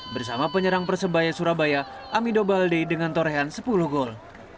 bersama penyerang persebaya surabaya amido balde dengan torehan sepuluh gol